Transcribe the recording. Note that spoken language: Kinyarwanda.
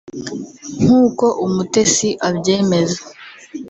nk’uko Umutesi abyemeza